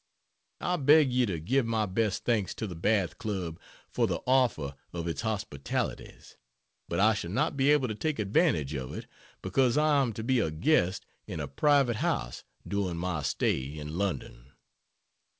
I beg you to give my best thanks to the Bath Club for the offer of its hospitalities, but I shall not be able to take advantage of it, because I am to be a guest in a private house during my stay in London.